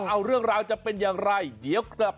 เอาเรื่องราวจะเป็นอย่างไร